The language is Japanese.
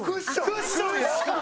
クッションや！